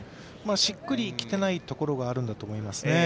しっくり来ていないところがあるんだと思いますね。